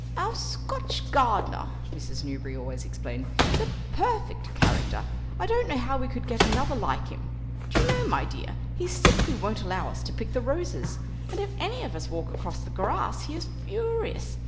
"Our Scotch gardener," Mrs. Newberry always explained "is a perfect character. I don't know how we could get another like him. Do you know, my dear, he simply won't allow us to pick the roses; and if any of us walk across the grass he is furious.